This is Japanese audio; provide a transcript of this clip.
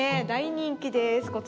大人気です。